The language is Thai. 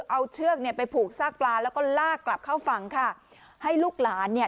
เอาเชือกเนี่ยไปผูกซากปลาแล้วก็ลากกลับเข้าฝั่งค่ะให้ลูกหลานเนี่ย